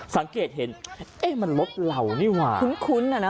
สังเกตเห็นเอ๊ะมันรถเรานี่ว่ะคุ้นอ่ะนะ